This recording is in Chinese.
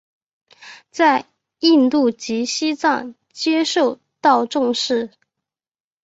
在印度及西藏皆受到重视。